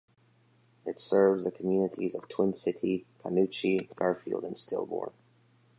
It serves the communities of Twin City, Canoochee, Garfield, and Stillmore.